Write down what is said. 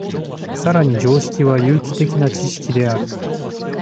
更に常識は有機的な知識である。